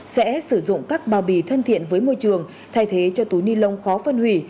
sẽ sử dụng các bao bì thân thiện với môi trường thay thế cho túi ni lông khó phân hủy